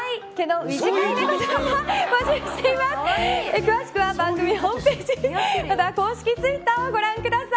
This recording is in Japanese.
詳しくは番組ホームページまた公式ツイッターをご覧ください。